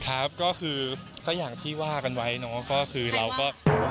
ครับก็คือก็อย่างที่ว่ากันไว้เนาะก็คือเราก็